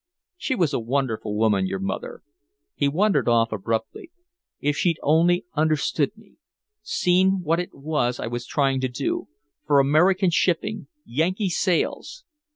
She was a wonderful woman, your mother," he wandered off abruptly. "If she'd only understood me seen what it was I was trying to do for American shipping Yankee sails!"